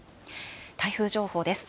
台風情報です。